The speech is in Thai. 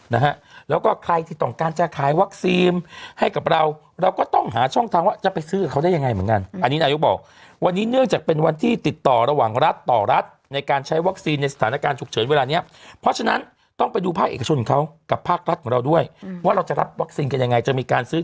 นะฮะแล้วก็ใครที่ต้องการจะขายวัคซีนให้กับเราเราก็ต้องหาช่องทางว่าจะไปซื้อกับเขาได้ยังไงเหมือนกันอันนี้นายกบอกวันนี้เนื่องจากเป็นวันที่ติดต่อระหว่างรัฐต่อรัฐในการใช้วัคซีนในสถานการณ์ฉุกเฉินเวลาเนี้ยเพราะฉะนั้นต้องไปดูภาคเอกชนเขากับภาครัฐของเราด้วยอืมว่าเราจะรับวัคซีนกันยังไงจะมีการซื้อ